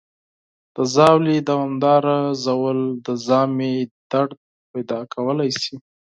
د ژاولې دوامداره ژوول د ژامې درد پیدا کولی شي.